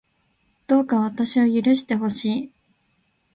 どうか私を許してほしい